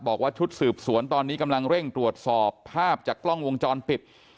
บอกว่าชุดสืบสวนตอนนี้กำลังเร่งตรวจสอบภาพจากกล้องวงจรปิด